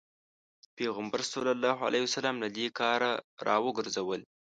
پيغمبر ص له دې کاره راوګرځول.